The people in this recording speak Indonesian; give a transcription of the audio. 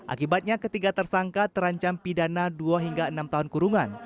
akibatnya ketiga tersangka terancam pidana dua hingga enam tahun kurungan